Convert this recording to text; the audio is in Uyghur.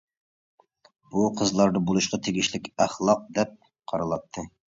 بۇ قىزلاردا بولۇشقا تېگىشلىك ئەخلاق دەپ قارىلاتتى.